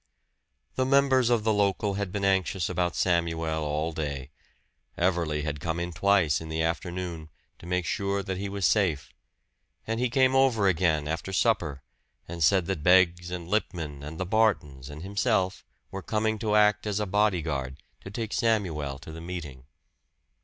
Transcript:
The members of the local had been anxious about Samuel all day. Everley had come in twice in the afternoon, to make sure that he was safe; and he came over again after supper, and said that Beggs and Lippman and the Bartons and himself were coming to act as a body guard to take Samuel to the meeting.